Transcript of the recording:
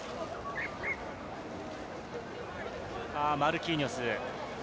マルキーニョス。